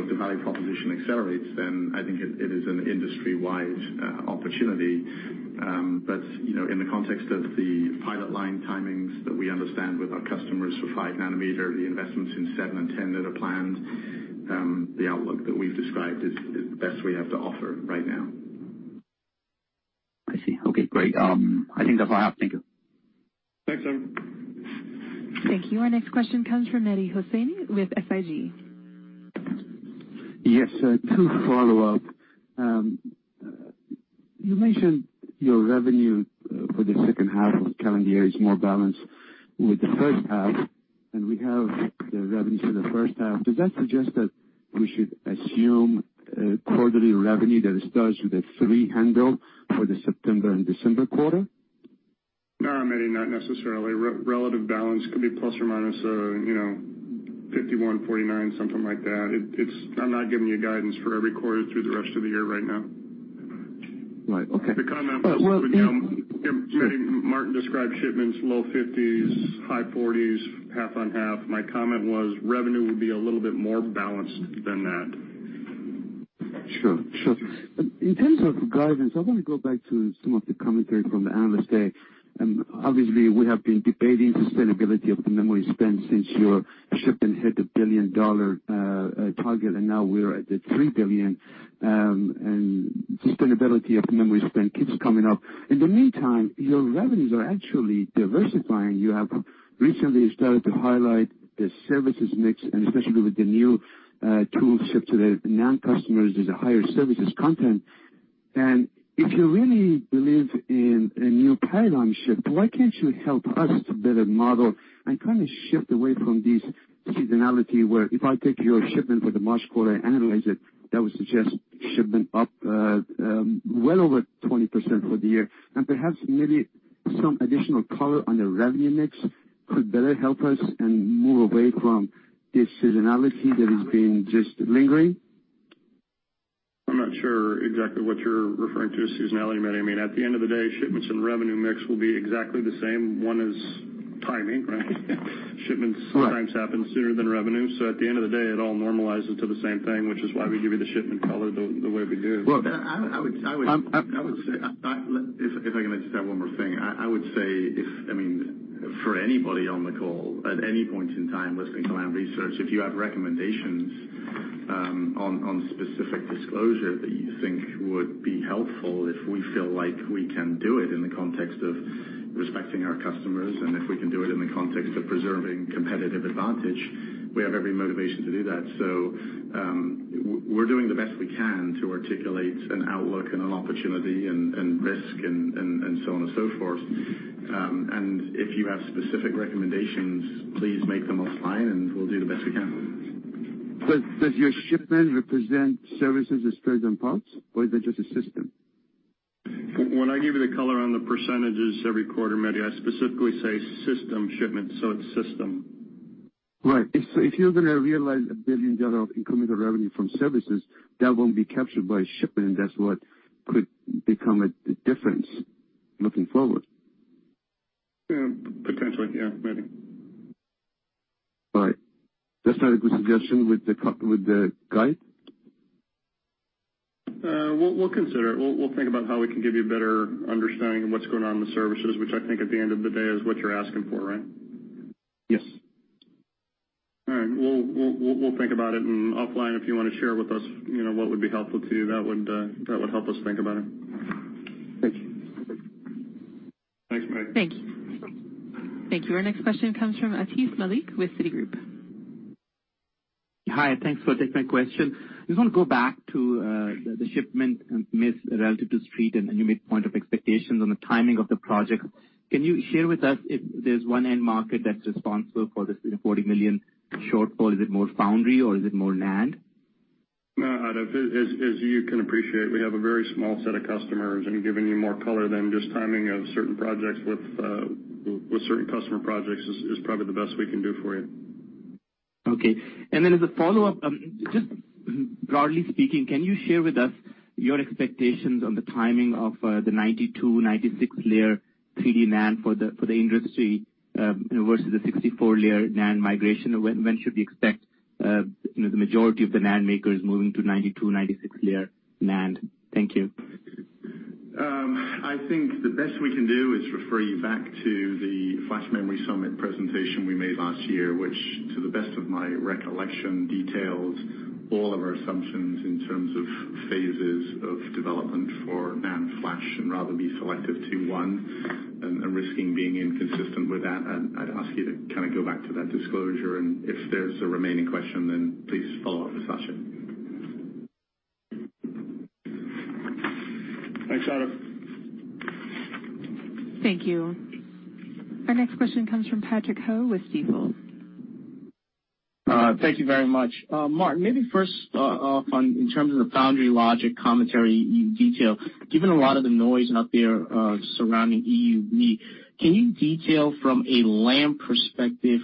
If the value proposition accelerates, then I think it is an industry-wide opportunity. In the context of the pilot line timings that we understand with our customers for 5-nanometer, the investments in 7 and 10 that are planned, the outlook that we've described is the best we have to offer right now. I see. Okay, great. I think that's all I have. Thank you. Thanks, Edwin. Thank you. Our next question comes from Mehdi Hosseini with SIG. Yes. Two follow-up. You mentioned your revenue for the second half of the calendar year is more balanced with the first half, and we have the revenue for the first half. Does that suggest that we should assume quarterly revenue that starts with a 300 for the September and December quarter? No, Mehdi, not necessarily. Relative balance could be plus or minus 51/49, something like that. I'm not giving you guidance for every quarter through the rest of the year right now. Right. Okay. The comment I was looking at, Mehdi, Martin described shipments, low 50s, high 40s, half on half. My comment was revenue would be a little bit more balanced than that. Sure. In terms of guidance, I want to go back to some of the commentary from the Analyst Day. Obviously, we have been debating sustainability of the memory spend since your shipment hit the $1 billion target, and now we're at the $3 billion. Sustainability of memory spend keeps coming up. In the meantime, your revenues are actually diversifying. You have recently started to highlight the services mix, and especially with the new tools shipped to the NAND customers, there's a higher services content. If you really believe in a new paradigm shift, why can't you help us to build a model and kind of shift away from this seasonality, where if I take your shipment for the March quarter, analyze it, that would suggest shipment up well over 20% for the year. Perhaps maybe some additional color on the revenue mix could better help us and move away from this seasonality that has been just lingering. I'm not sure exactly what you're referring to as seasonality, Mehdi. At the end of the day, shipments and revenue mix will be exactly the same. One is timing, right? Right Shipments sometimes happen sooner than revenue. At the end of the day, it all normalizes to the same thing, which is why we give you the shipment color the way we do. Well- I would say, if I can just add one more thing. I would say, for anybody on the call, at any point in time listening to Lam Research, if you have recommendations on specific disclosure that you think would be helpful, if we feel like we can do it in the context of respecting our customers, and if we can do it in the context of preserving competitive advantage, we have every motivation to do that. We're doing the best we can to articulate an outlook and an opportunity and risk and so on and so forth. If you have specific recommendations, please make them offline, and we'll do the best we can. Does your shipment represent services, spares, and parts? Or is it just a system? When I give you the color on the % every quarter, Mehdi, I specifically say system shipment, so it's system. Right. If you're going to realize a $1 billion of incremental revenue from services, that won't be captured by shipment, and that's what could become a difference looking forward. Yeah, potentially. Yeah, maybe. All right. That's not a good suggestion with the guide? We'll consider it. We'll think about how we can give you a better understanding of what's going on with services, which I think at the end of the day is what you're asking for, right? Yes. All right. We'll think about it. Offline if you want to share with us what would be helpful to you, that would help us think about it. Thank you. Thanks, Mehdi. Thank you. Thank you. Our next question comes from Atif Malik with Citigroup. Hi, thanks for taking my question. I just want to go back to the shipment miss relative to Street, you made point of expectations on the timing of the project. Can you share with us if there's one end market that's responsible for this $40 million shortfall? Is it more foundry or is it more NAND? No, Atif. As you can appreciate, we have a very small set of customers, giving you more color than just timing of certain projects with certain customer projects is probably the best we can do for you. Okay. Then as a follow-up, just broadly speaking, can you share with us your expectations on the timing of the 92, 96 layer 3D NAND for the industry, versus the 64 layer NAND migration? When should we expect the majority of the NAND makers moving to 92, 96 layer NAND? Thank you. I think the best we can do is refer you back to the Flash Memory Summit presentation we made last year, which to the best of my recollection, details all of our assumptions in terms of phases of development for NAND Flash and rather be selective to one. Risking being inconsistent with that, I'd ask you to go back to that disclosure, and if there's a remaining question, then please follow up with Sachin. Thanks, Atif. Thank you. Our next question comes from Patrick Ho with Stifel. Thank you very much. Martin, maybe first off, in terms of the foundry logic commentary you detailed, given a lot of the noise out there surrounding EUV, can you detail from a Lam perspective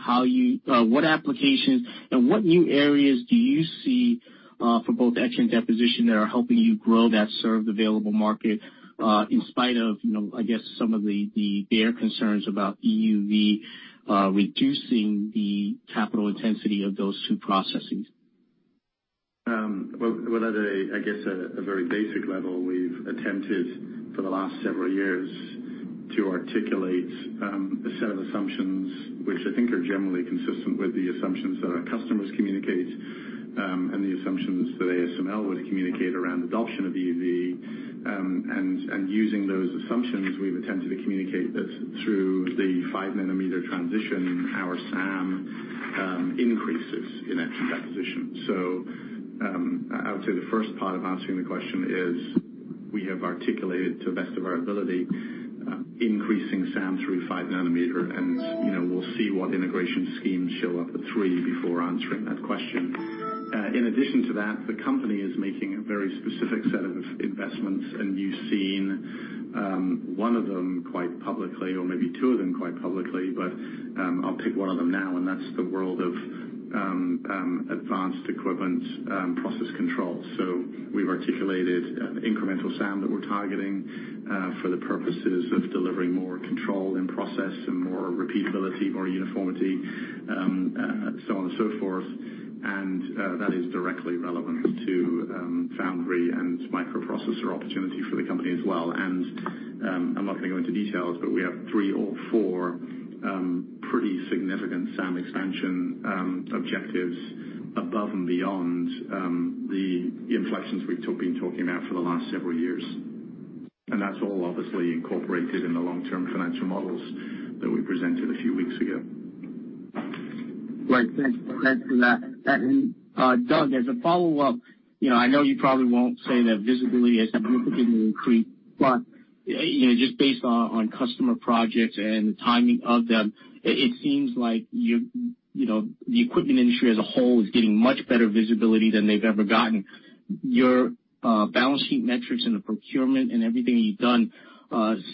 what applications and what new areas do you see for both etch and deposition that are helping you grow that served available market, in spite of some of their concerns about EUV reducing the capital intensity of those two processes? Well, at I guess a very basic level, we've attempted for the last several years to articulate a set of assumptions, which I think are generally consistent with the assumptions that our customers communicate, and the assumptions that ASML would communicate around adoption of EUV. Using those assumptions, we've attempted to communicate that through the five nanometer transition, our SAM increases in etch and deposition. I would say the first part of answering the question is we have articulated to the best of our ability, increasing SAM through five nanometer, and we'll see what integration schemes show up at three before answering that question. In addition to that, the company is making a very specific set of investments, you've seen one of them quite publicly, or maybe two of them quite publicly. I'll pick one of them now, and that's the world of advanced equipment process control. We've articulated incremental SAM that we're targeting for the purposes of delivering more control in process and more repeatability, more uniformity, so on and so forth. That is directly relevant to foundry and microprocessor opportunity for the company as well. I'm not going to go into details, but we have three or four pretty significant SAM expansion objectives above and beyond the inflections we've been talking about for the last several years. That's all obviously incorporated in the long-term financial models that we presented a few weeks ago. Great. Thanks for that. Doug, as a follow-up, I know you probably won't say that visibility has significantly increased, but just based on customer projects and the timing of them, it seems like the equipment industry as a whole is getting much better visibility than they've ever gotten. Your balance sheet metrics and the procurement and everything you've done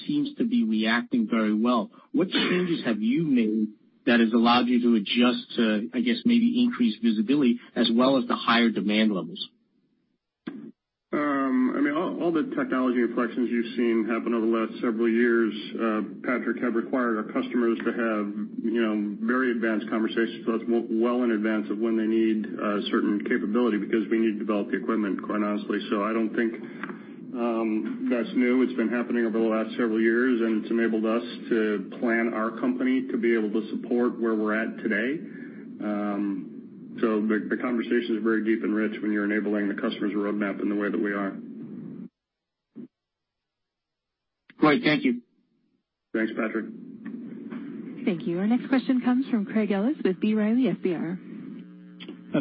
seems to be reacting very well. What changes have you made that has allowed you to adjust to, I guess maybe increase visibility as well as the higher demand levels? All the technology reflections you've seen happen over the last several years, Patrick, have required our customers to have very advanced conversations with us, well in advance of when they need a certain capability, because we need to develop the equipment, quite honestly. I don't think that's new. It's been happening over the last several years, and it's enabled us to plan our company to be able to support where we're at today. The conversations are very deep and rich when you're enabling the customer's roadmap in the way that we are. Great. Thank you. Thanks, Patrick. Thank you. Our next question comes from Craig Ellis with B. Riley FBR.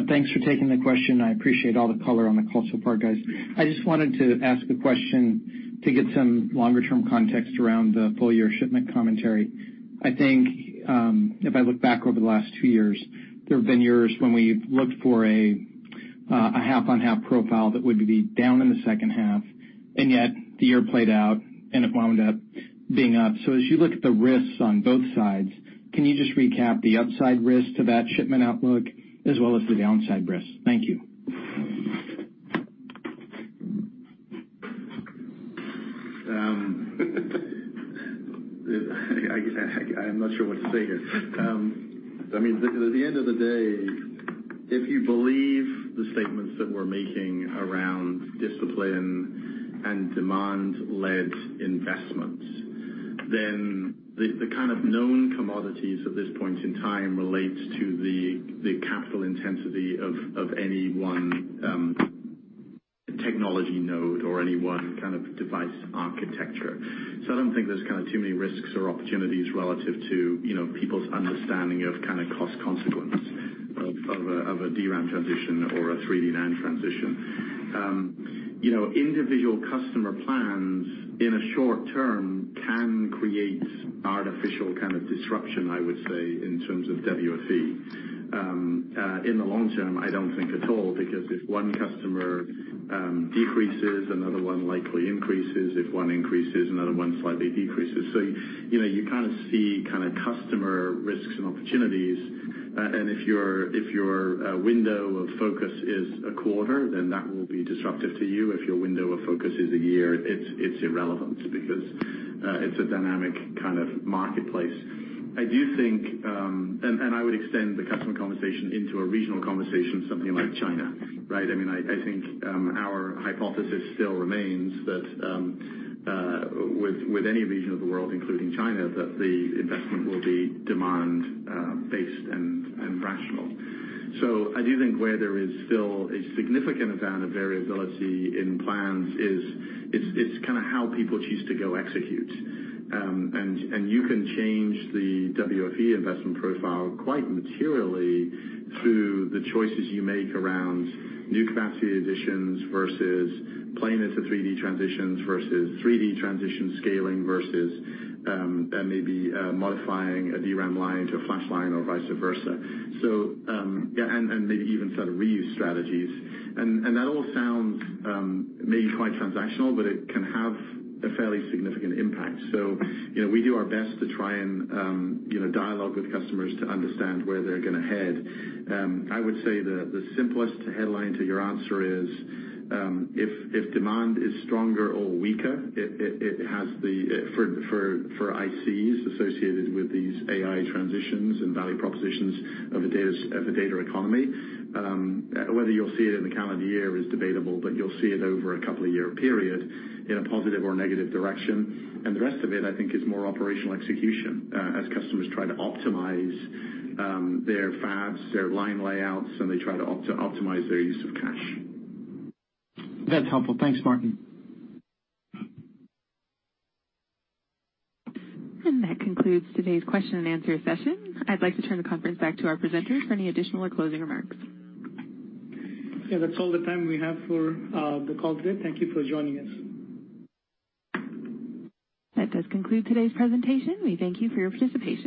Thanks for taking the question. I appreciate all the color on the call so far, guys. I just wanted to ask a question to get some longer term context around the full year shipment commentary. I think, if I look back over the last two years, there have been years when we've looked for a half on half profile that would be down in the second half, and yet the year played out and it wound up being up. As you look at the risks on both sides, can you just recap the upside risk to that shipment outlook as well as the downside risk? Thank you. I'm not sure what to say here. At the end of the day, if you believe the statements that we're making around discipline and demand led investments, then the kind of known commodities at this point in time relates to the capital intensity of any one technology node or any one kind of device architecture. I don't think there's too many risks or opportunities relative to people's understanding of cost consequence of a DRAM transition or a 3D NAND transition. Individual customer plans in a short term can create artificial kind of disruption, I would say, in terms of WFE. In the long term, I don't think at all, because if one customer decreases, another one likely increases. If one increases, another one slightly decreases. You kind of see customer risks and opportunities. If your window of focus is a quarter, then that will be disruptive to you. If your window of focus is a year, it's irrelevant because it's a dynamic kind of marketplace. I do think, and I would extend the customer conversation into a regional conversation, something like China, right? I think our hypothesis still remains that with any region of the world, including China, that the investment will be demand based and rational. I do think where there is still a significant amount of variability in plans is it's kind of how people choose to go execute. You can change the WFE investment profile quite materially through the choices you make around new capacity additions versus playing into 3D transitions versus 3D transition scaling versus maybe modifying a DRAM line to a flash line or vice versa. Maybe even sort of reuse strategies. That all sounds maybe quite transactional, but it can have a fairly significant impact. We do our best to try and dialogue with customers to understand where they're going to head. I would say the simplest headline to your answer is, if demand is stronger or weaker, it has for ICs associated with these AI transitions and value propositions of a data economy, whether you'll see it in the calendar year is debatable, but you'll see it over a couple of year period in a positive or negative direction. The rest of it, I think is more operational execution, as customers try to optimize their fabs, their line layouts, and they try to optimize their use of cash. That's helpful. Thanks, Martin. That concludes today's question and answer session. I'd like to turn the conference back to our presenters for any additional or closing remarks. Yeah, that's all the time we have for the call today. Thank you for joining us. That does conclude today's presentation. We thank you for your participation.